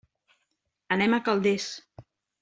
Anem a Calders.